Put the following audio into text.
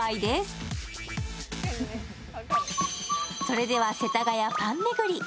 それでは、世田谷パン巡り